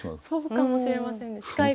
そうかもしれませんね。